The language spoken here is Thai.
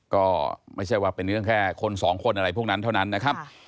ก็ไม่ใช่ว่าเป็นเรื่องแค่คนสองคนอะไรพวกนั้นเท่านั้นนะครับ